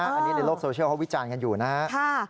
อันนี้ในโลกโซเชียลเขาวิจารณ์กันอยู่นะครับ